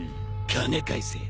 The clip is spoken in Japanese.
金返せや。